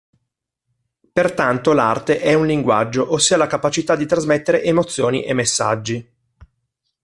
Pertanto l'arte è un linguaggio, ossia la capacità di trasmettere emozioni e messaggi.